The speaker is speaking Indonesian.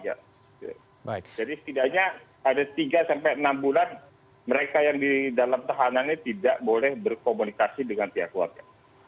jadi setidaknya ada tiga enam bulan mereka yang di dalam tahanannya tidak boleh berkomunikasi dengan pihak warga